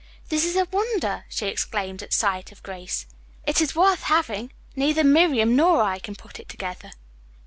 "This is a wonder!" she exclaimed at sight of Grace. "It is worth having. Neither Miriam nor I can put it together."